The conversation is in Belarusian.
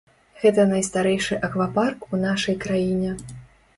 Гэта найстарэйшы аквапарк у нашай краіне.